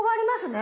ね